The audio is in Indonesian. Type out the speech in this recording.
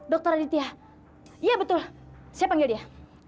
dr aditya iya betul saya panggil dia